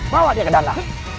bawa dia ke dana